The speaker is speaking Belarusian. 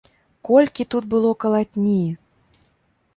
Колькі тут было калатні!